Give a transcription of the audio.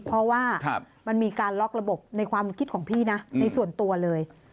เพราะว่ามันมีการล็อกระบบในความคิดของพี่นะในส่วนตัวเลย